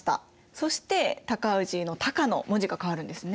そして高氏の「高」の文字が変わるんですね。